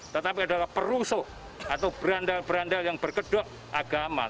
tetapi adalah perusuh atau brandel brandel yang bergeduk agama